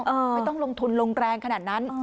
ไม่ต้องลงทุนลงแรงขนาดนั้น